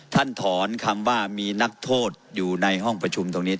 ถอนคำว่ามีนักโทษอยู่ในห้องประชุมตรงนี้